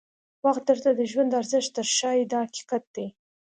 وخت درته د ژوند ارزښت در ښایي دا حقیقت دی.